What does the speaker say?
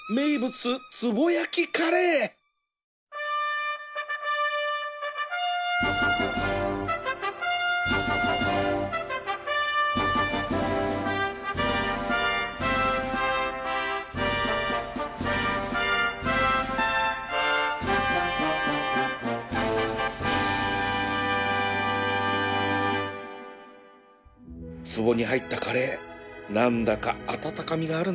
つぼに入ったカレー何だか温かみがあるな